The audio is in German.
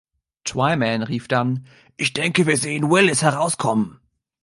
Twyman rief dann: „Ich denke, wir sehen Willis herauskommen!“